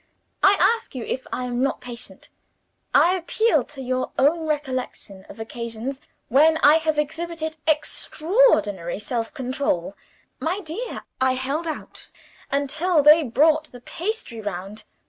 I ask you if I am not patient; I appeal to your own recollection of occasions when I have exhibited extraordinary self control. My dear, I held out until they brought the pastry round.